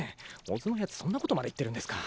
小津のやつそんなことまで言ってるんですか？